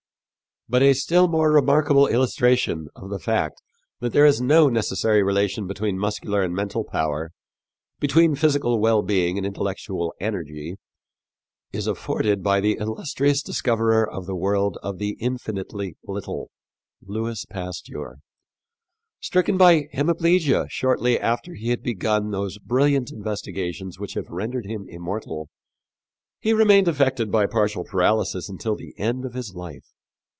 But a still more remarkable illustration of the fact that there is no necessary relation between muscular and mental power, between physical well being and intellectual energy, is afforded by the illustrious discoverer of the world of the infinitely little, Louis Pasteur. Stricken by hemiplegia shortly after he had begun those brilliant investigations which have rendered him immortal, he remained affected by partial paralysis until the end of his life.